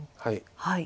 はい。